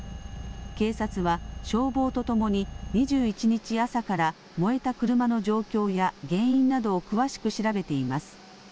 警察は消防とともに２１日朝から燃えた車の状況や原因などを詳しく調べています。